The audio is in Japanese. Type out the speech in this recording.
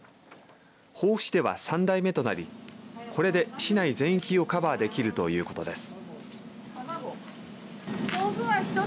防府市では３台目となりこれで市内全域をカバーできるということです。